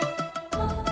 nih aku tidur